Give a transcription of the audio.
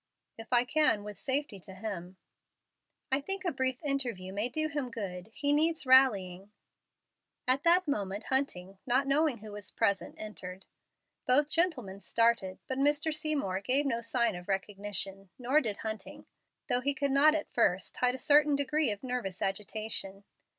"If I can with safety to him." "I think a brief interview may do him good. He needs rallying." At that moment Hunting, not knowing who was present, entered. Both gentleman started, but Mr. Seymour gave no sign of recognition, nor did Hunting, though he could not at first hide a certain degree of nervous agitation.